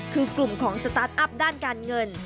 คือกลุ่มของสตาร์ทอัพด้านการเงิน